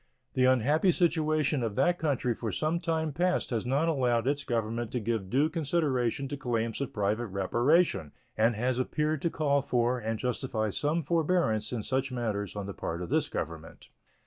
The unhappy situation of that country for some time past has not allowed its Government to give due consideration to claims of private reparation, and has appeared to call for and justify some forbearance in such matters on the part of this Government.